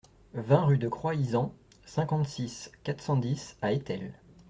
vingt rue de Croix Izan, cinquante-six, quatre cent dix à Étel